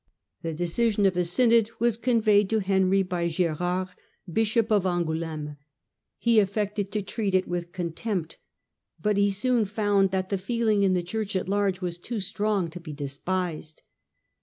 The decision of the synod was conveyed to Henry by Gerard, bishop of Angoul6me. He aflTected to treat it with contempt, but he soon found that the feeling in the Church at large was too strong to be despised.